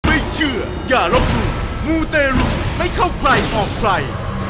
ไม่เชื่ออย่าล้มบูมูเตรลุไม่เข้าไกลออกไฟ